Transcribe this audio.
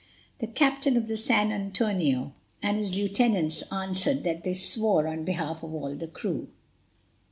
The captain of the San Antonio and his lieutenants answered that they swore on behalf of all the crew.